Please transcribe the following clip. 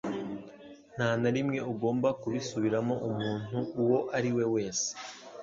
Nta na rimwe ugomba kubisubiramo umuntu uwo ari we wese